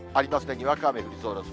にわか雨降りそうです。